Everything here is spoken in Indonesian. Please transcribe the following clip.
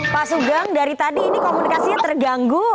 pak sugang dari tadi ini komunikasi yang terganggu